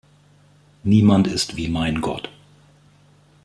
Niemand ist wie mein Gott.